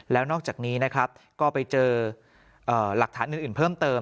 แล้วนอกจากนี้นะครับก็ไปเจอหลักฐานอื่นเพิ่มเติม